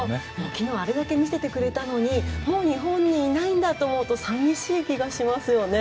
昨日、あれだけ見せてくれたのにもう日本にいないんだと思うと寂しい気がしますよね。